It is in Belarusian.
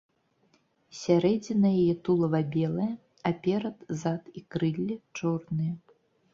Сярэдзіна яе тулава белая, а перад, зад і крылле чорныя.